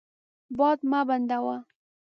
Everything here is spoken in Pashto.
باد مه بندوه.